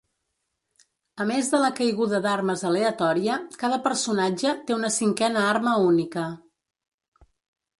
A més de la caiguda d'armes aleatòria, cada personatge té una cinquena arma única.